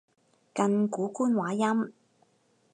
近古官話音